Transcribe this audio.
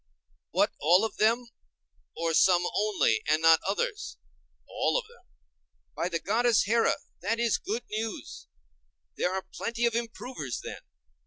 What, all of them, or some only and not others? All of them. By the goddess Here, that is good news! There are plenty of improvers, then.